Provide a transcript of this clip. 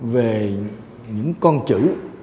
về những con chữ